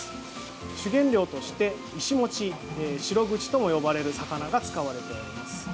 主原料としてイシモチ、シログチとも呼ばれる魚が使われています。